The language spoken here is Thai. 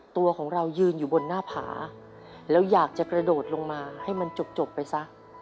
ตัวของเรายืนอยู่บนหน้าผาแล้วอยากจะกระโดดลงมาให้มันจบไปซะ